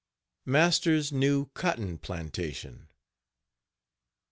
MASTER'S NEW COTTON PLANTATION.